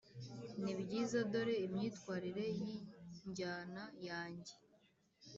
nibyiza, dore imyitwarire yinjyana yanjye: